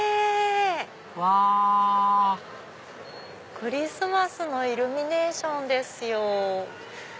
クリスマスのイルミネーションですよ。